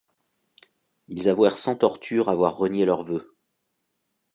Ils avouèrent sans tortures avoir renié leurs vœux.